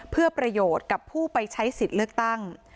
เพื่อประโยชน์กับผู้ไปใช้สิทธิ์เลือกตั้ง